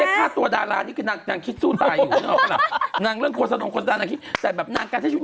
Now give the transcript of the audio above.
คนกูไม่ช่างจะคิดอะไรเขาก็ไม่ทำขนาดนี้หรอก